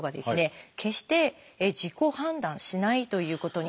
決して自己判断しないということになります。